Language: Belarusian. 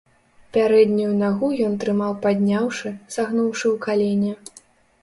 Пярэднюю нагу ён трымаў падняўшы, сагнуўшы ў калене.